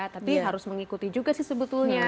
tapi harus mengikuti juga sih sebetulnya